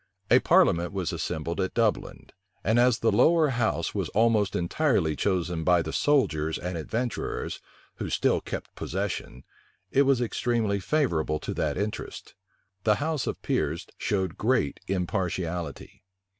A parliament was assembled at Dublin; and as the lower house was almost entirely chosen by the soldiers and adventurers, who still kept possession, it was extremely favorable to that interest. The house of peers showed greater impartiality.